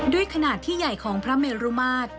ขนาดที่ใหญ่ของพระเมรุมาตร